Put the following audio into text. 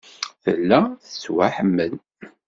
Tella tettwaḥemmel.